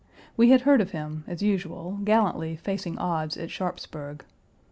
We had heard of him, as usual, gallantly facing odds at Sharpsburg.